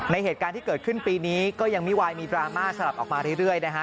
เหตุการณ์ที่เกิดขึ้นปีนี้ก็ยังมิวายมีดราม่าสลับออกมาเรื่อยนะฮะ